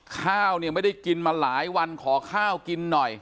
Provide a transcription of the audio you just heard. ข้าวเนี่ยไม่ได้กินมาหลายวันขอข้าวกินหน่อย